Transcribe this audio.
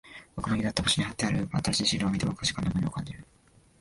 僕の家だった場所に貼ってある真新しいシールを見て、僕は時間の重みを感じる。